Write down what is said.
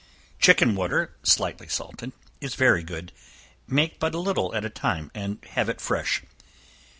Chicken water, slightly salted, is very good; make but a little at a time, and have it fresh.